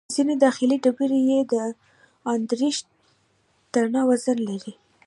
ځینې داخلي ډبرې یې ان دېرش ټنه وزن لري.